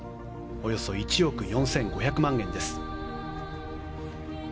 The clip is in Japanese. およそ１億４５００万円です。